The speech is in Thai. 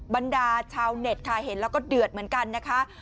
บรรดาชาวเน็ตค่ะเห็นแล้วก็เดือดเหมือนกันนะคะ